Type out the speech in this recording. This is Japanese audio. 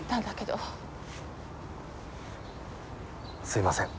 すいません。